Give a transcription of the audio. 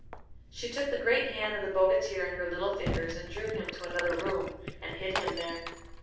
She took the great hand of the bogatir in her little fingers, and drew him to another room, and hid him there.